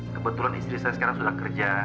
kebetulan istri saya sekarang sudah kerja